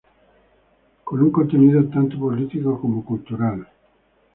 Con un contenido tanto político como cultural.